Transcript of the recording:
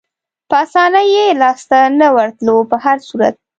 په اسانۍ یې لاسته نه ورتلو، په هر صورت.